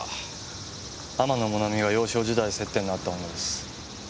天野もなみが幼少時代接点があった女です。